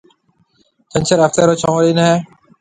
ڇنڇر هفتي رو ڇهون ڏن هيَ۔